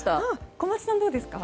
小松さん、どうですか？